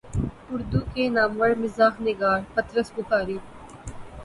اردو کے نامور مزاح نگار پطرس بخاری